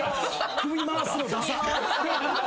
首回すのダサっ。